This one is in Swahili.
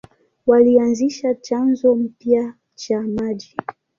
Walianzisha chanzo mpya cha maji.